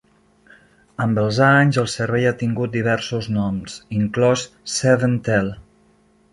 Amb els anys el servei ha tingut diversos noms, inclòs SevenTel.